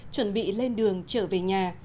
chuẩn bị lên đường trở về nhà